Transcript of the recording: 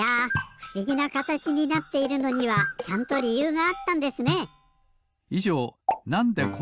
ふしぎなかたちになっているのにはちゃんとりゆうがあったんですね。